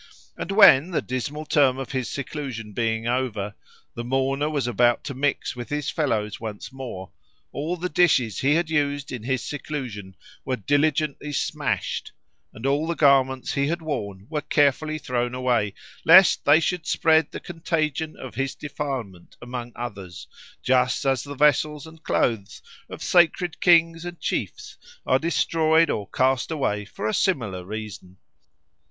And when, the dismal term of his seclusion being over, the mourner was about to mix with his fellows once more, all the dishes he had used in his seclusion were diligently smashed, and all the garments he had worn were carefully thrown away, lest they should spread the contagion of his defilement among others, just as the vessels and clothes of sacred kings and chiefs are destroyed or cast away for a similar reason.